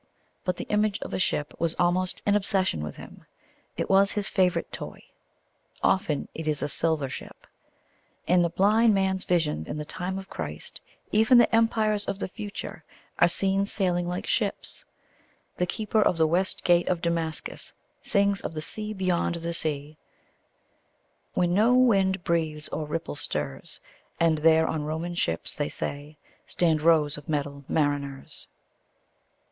But the image of a ship was almost an obsession with him. It was his favourite toy. Often it is a silver ship. In the blind man's vision in the time of Christ even the Empires of the future are seen sailing like ships. The keeper of the West Gate of Damascus sings of the sea beyond the sea: when no wind breathes or ripple stirs, And there on Roman ships, they say, stand rows of metal mariners.